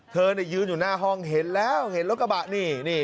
เธอยืนอยู่หน้าห้องเห็นแล้วเห็นรถกระบะนี่